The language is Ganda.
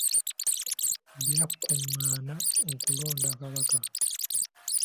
Byakungaana okulonda kabaka.